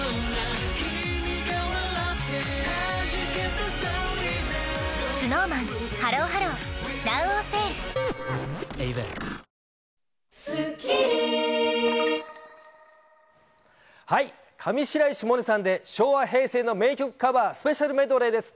個人的にも思い出深い曲で、上白石萌音さんで昭和×平成の名曲カバースペシャルメドレーです。